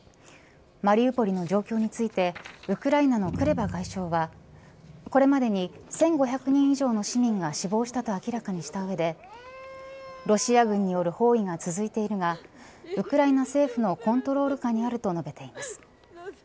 マリウポリの状況についてウクライナのクレバ外相はこれまでに１５００人以上の市民が死亡したと明らかにした上でロシア軍による包囲が続いているがウクライナ政府のコントロール下にあると述べています。